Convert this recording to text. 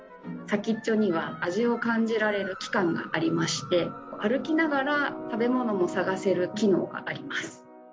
先っちょには味を感じられる器官がありまして歩きながら食べ物も探せる機能があります。